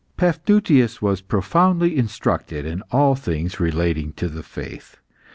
Paphnutius was profoundly instructed in all things relating to the faith.